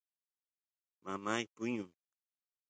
mamay puñun